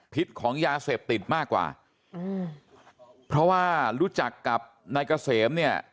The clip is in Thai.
พิษของยาเสพติดมากกว่าอืมเพราะว่ารู้จักกับนายเกษมเนี่ย